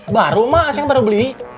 baru ma ceng baru beli